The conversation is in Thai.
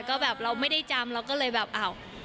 ก็แบบเราไม่ได้จำเราก็เลยแบบอ้าว